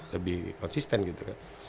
lebih konsisten gitu kan